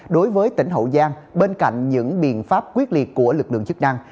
đối với tỉnh hậu giang bên cạnh những biện pháp quyết liệt của lực lượng chức năng